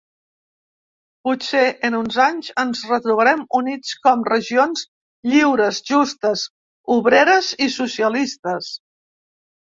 Potser en uns anys ens retrobarem units com regions lliures, justes, obreres i socialistes.